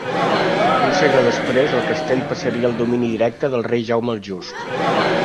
Un segle després el castell passaria al domini directe del rei Jaume el Just.